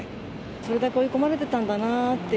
それだけ追い込まれてたんだなって。